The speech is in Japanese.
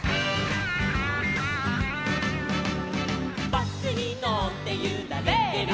「バスにのってゆられてる」せの！